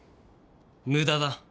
無駄だ。